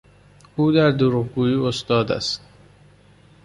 او در دروغگویی استاد است.